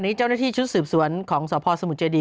ขณะนี้เจ้าหน้าที่ชุดสืบสวนของเศร้าภอสมุดเจดี